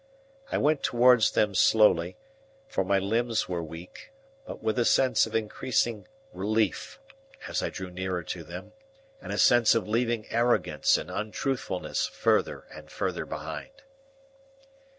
I went towards them slowly, for my limbs were weak, but with a sense of increasing relief as I drew nearer to them, and a sense of leaving arrogance and untruthfulness further and further behind.